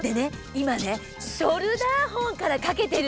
今ねショルダーフォンからかけてるんだよ。